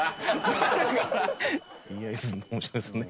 面白いですね。